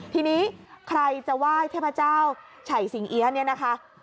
ทีนี้ใครจะไหว้เทพเจ้าไฉสิงเอี๊ยะเนี่ยนะคะ